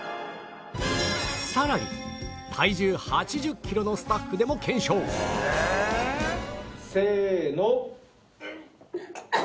さらに体重８０キロのスタッフでも検証せーの。